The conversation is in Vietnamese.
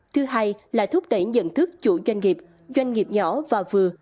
thứ hai là thúc đẩy nhận thức chủ doanh nghiệp doanh nghiệp nhỏ và vừa